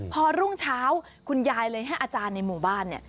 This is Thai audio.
พอรุ่งเช้าคุณยายเลยให้อาจารย์ในหมู่บ้านเนี่ย